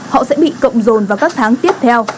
họ sẽ bị cộng dồn vào các tháng tiếp theo